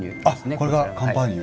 あっこれがカンパーニュ。